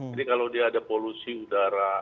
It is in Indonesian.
jadi kalau dia ada polusi udara